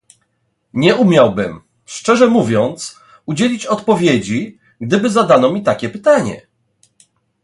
Nie umiałabym, szczerze mówiąc, udzielić odpowiedzi, gdyby zadano mi takie pytanie